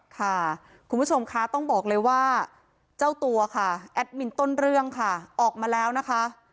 ค่ะคุณผู้ชมคะต้องบอกเลยว่าเจ้าตัวค่ะแอดมินต้นเรื่องค่ะออกมาแล้วนะคะ